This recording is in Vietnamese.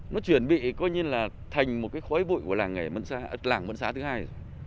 nó chuyển bị coi như là thành một cái khói bụi của làng nghề mân xã thứ hai rồi